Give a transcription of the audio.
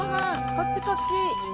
こっちこっち。